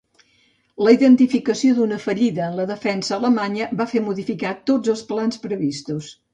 La identificació d'una fallida en la defensa alemanya va fer modificar tots els plans previstos.